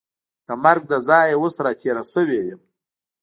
د مرګ له ځایه اوس را تېره شوې یم.